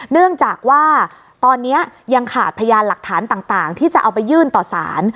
เนื่องจากว่าตอนนี้ยังขาดพยานหลักฐานต่างที่จะเอาไปยื่นต่อสาร